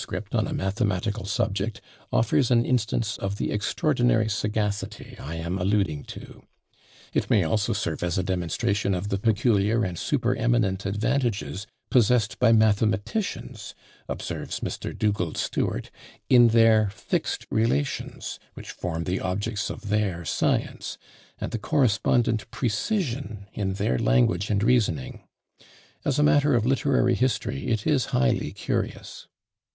on a mathematical subject offers an instance of the extraordinary sagacity I am alluding to; it may also serve as a demonstration of the peculiar and supereminent advantages possessed by mathematicians, observes Mr. Dugald Stewart, in their fixed relations, which form the objects of their science, and the correspondent precision in their language and reasoning: as matter of literary history it is highly curious.